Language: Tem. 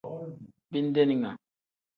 Bindeninga.